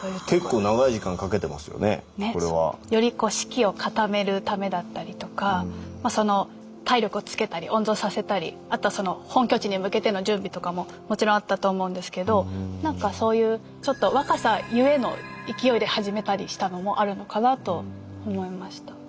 結構長い時間かけてますよねこれは。より士気を固めるためだったりとかまあその体力をつけたり温存させたりあとは本拠地に向けての準備とかももちろんあったと思うんですけどなんかそういうちょっと若さゆえの勢いで始めたりしたのもあるのかなと思いました。